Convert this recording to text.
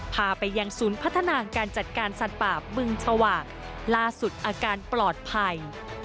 พาไปยังศูนย์พัฒนาการจัดการสัตว์ป่าบึงชวาล่าสุดอาการปลอดภัย